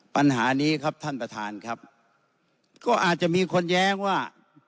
ปัญหานี้ครับท่านประธานครับก็อาจจะมีคนแย้งว่า